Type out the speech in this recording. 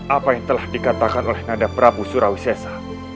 apa yang telah dikatakan oleh nada prabu surawisesa